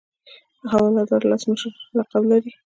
حواله دار لس مشر لقب لري.